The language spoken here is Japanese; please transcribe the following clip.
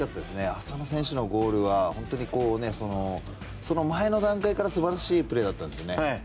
浅野選手のゴールはその前の段階から素晴らしいプレーだったんですよね。